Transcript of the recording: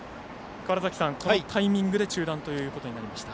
このタイミングで中断ということになりました。